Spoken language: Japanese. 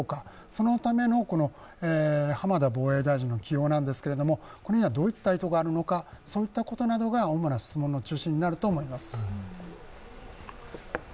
そのための浜田防衛大臣の起用なんですけれども、これにはどういった意図があるのか、そういったことなどが主な質問の中心になると思います。